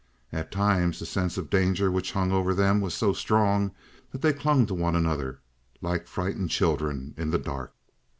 At times the sense of danger which hung over them was so strong, that they clung to one another like frightened children in the dark.